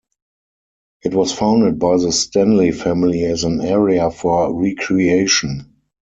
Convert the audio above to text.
It was founded by the Stanley family as an area for recreation.